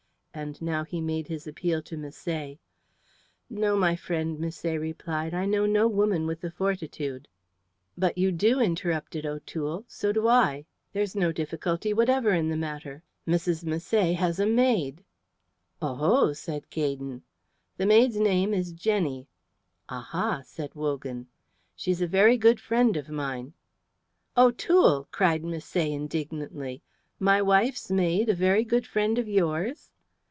And now he made his appeal to Misset. "No, my friend," Misset replied. "I know no woman with the fortitude." "But you do," interrupted O'Toole. "So do I. There's no difficulty whatever in the matter. Mrs. Misset has a maid." "Oho!" said Gaydon. "The maid's name is Jenny." "Aha!" said Wogan. "She's a very good friend of mine." "O'Toole!" cried Misset, indignantly. "My wife's maid a very good friend of yours?"